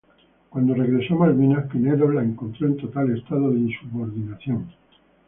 Cuando regresó a Malvinas, Pinedo las encontró en total estado de insubordinación.